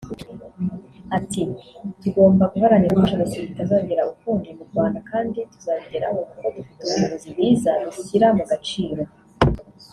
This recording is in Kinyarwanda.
Ati “Tugomba guharanira ko Jenoside itazongera ukundi mu Rwanda kandi tuzabigeraho kuko dufite ubuyobozi bwiza bushyira mu gaciro